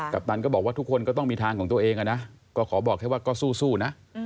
ปันก็บอกว่าทุกคนก็ต้องมีทางของตัวเองนะก็ขอบอกแค่ว่าก็สู้นะ